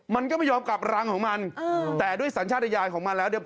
มันก็ไม่ยอมกลับรังของมันแต่ด้วยสัญชาติยายของมันแล้วเนี่ย